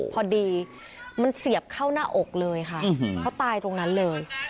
พอดีมันเสียบเข้าหน้าอกเลยค่ะเขาตายตรงนั้นเลย